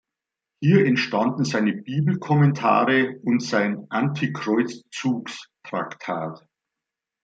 Hier entstanden seine Bibelkommentare und sein Anti-Kreuzzugstraktat.